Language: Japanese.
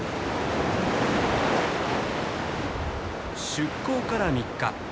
出航から３日。